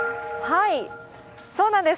そうなんです。